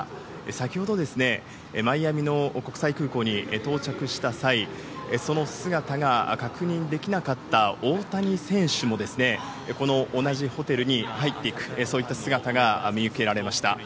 先ほど、マイアミの国際空港に到着した際、その姿が確認できなかった大谷選手もですね、この同じホテルに入っていく、そういった姿が見受けられました。